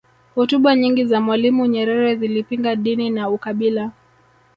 hotuba nyingi za mwalimu nyerere zilipinga dini na ukabila